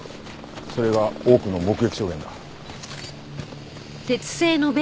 それが多くの目撃証言だ。